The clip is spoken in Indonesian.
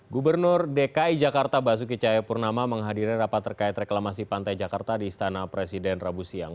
gubernur dki jakarta basuki cahayapurnama menghadiri rapat terkait reklamasi pantai jakarta di istana presiden rabu siang